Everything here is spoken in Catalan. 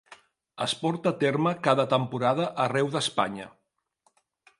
Es porta a terme cada temporada arreu d'Espanya.